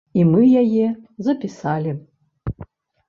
І мы яе запісалі.